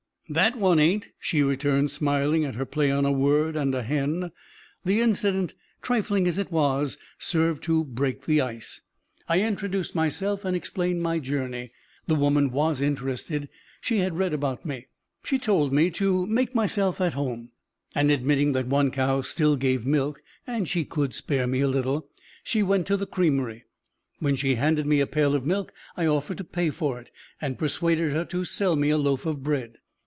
"That one ain't," she returned, smiling at her play on a word and a hen. The incident, trifling as it was, served to break the "ice." I introduced myself and explained my journey; the woman was interested; she had read about me. She told me to make myself "at home," and, admitting that one cow still gave milk and she could spare me a little, she went to the creamery. When she handed me a pail of milk, I offered to pay for it, and persuaded her to sell me a loaf of bread.